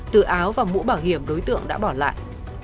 từ áo và mũ bảo hiểm đối tượng đã bỏ lại